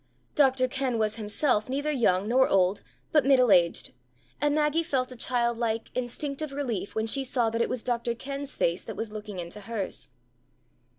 Dr. Kenn was himself neither young nor old, but middle aged; and Maggie felt a childlike, instinctive relief when she saw that it was Dr. Kenn's face that was looking into hers.